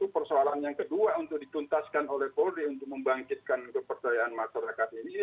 persoalan yang kedua untuk dituntaskan oleh polri untuk membangkitkan kepercayaan masyarakat ini